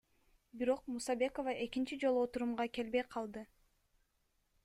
Бирок Мусабекова экинчи жолу отурумга келбей калды.